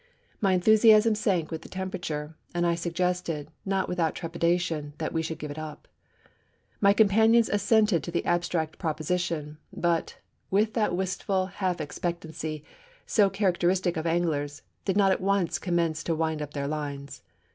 My enthusiasm sank with the temperature, and I suggested, not without trepidation, that we should give it up. My companions assented to the abstract proposition; but, with that wistful half expectancy so characteristic of anglers, did not at once commence to wind up their lines.